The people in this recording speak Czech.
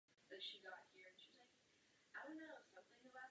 Objevila se ve druhé a třetí epizodě.